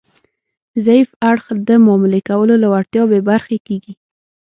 ضعیف اړخ د معاملې کولو له وړتیا بې برخې کیږي